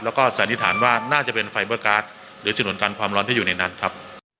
แล้วก็สันนิษฐานว่าน่าจะเป็นไฟเบอร์การ์ดหรือฉนวนกันความร้อนที่อยู่ในนั้นครับ